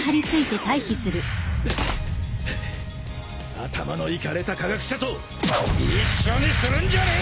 頭のいかれた科学者と一緒にするんじゃねえ！